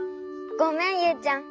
ごめんユウちゃん。